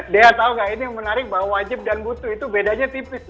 dea tahu nggak ini yang menarik bahwa wajib dan butuh itu bedanya tipis